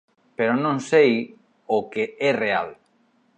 Pero non sei o que é real.